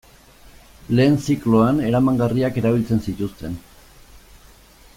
Lehen zikloan eramangarriak erabiltzen zituzten.